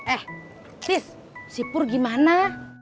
eh sis si pur gimana